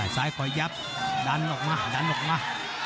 ซ้ายคอยยับดันออกมาดันออกมา